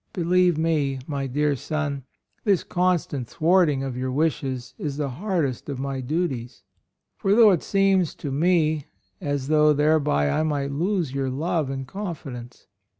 Believe me, my dear son, this constant thwarting of your wishes is the hardest of my duties; for it seems to me as though 40 A ROYAL SON thereby I might lose your love and confidence.